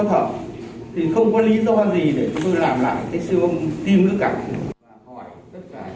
thì không có lý do gì để chúng tôi làm lại cái thiếu mong tim nữa cả